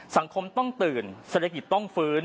สังคมต้องตื่นเศรษฐกิจต้องฟื้น